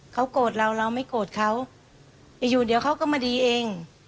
เขาโกรธเราเราไม่โกรธเขาอยู่เดี๋ยวเขาก็มาดีเอง